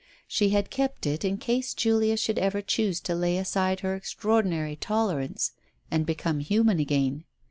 She had kept it in case Julia should ever choose to lay aside her extraordinary tolerance and become human again.